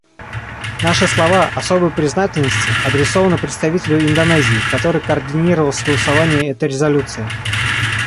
Наши слова особой признательности адресованы представителю Индонезии, который координировал согласование этой резолюции.